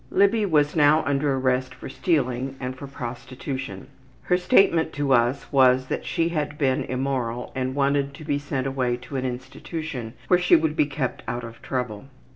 Libby was now under arrest for stealing and for prostitution. Her statement to us was that she had been immoral and wanted to be sent away to an institution where she would be kept out of trouble.